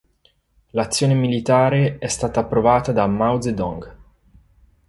L'azione militare è stata approvata da Mao Zedong.